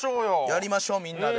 やりましょうみんなで。